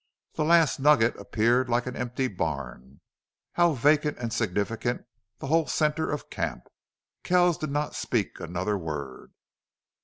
The Last Nugget appeared like an empty barn. How vacant and significant the whole center of camp! Kells did not speak another word.